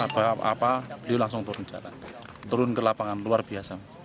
beliau langsung berubah